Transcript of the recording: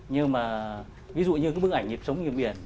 nhưng mà ví dụ như cái bức ảnh nhịp sống như miền